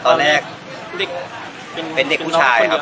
ตอนแรกเด็กเป็นเด็กผู้ชายครับ